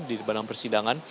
di dalam persidangan